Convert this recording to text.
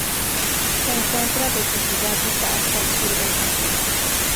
Se encuentra desde Sudáfrica hasta el sur del Japón.